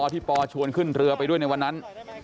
ที่ปอชวนขึ้นเรือไปด้วยในวันนั้น